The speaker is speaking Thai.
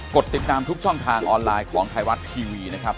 ดติดตามทุกช่องทางออนไลน์ของไทยรัฐทีวีนะครับ